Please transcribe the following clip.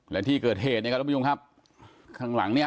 และที่เกิดเหตุเนี้ยครับข้างหลังเนี้ย